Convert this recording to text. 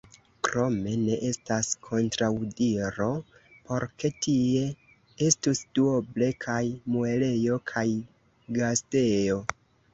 Krome ne estas kontraŭdiro por ke tie estus duoble kaj muelejo kaj gastejo.